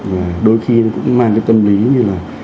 và đôi khi cũng mang cái tâm lý như là